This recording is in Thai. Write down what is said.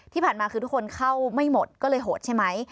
ที่ผ่านมาคือทุกคนเข้าไม่หมดก็เลยโหดใช่ไหม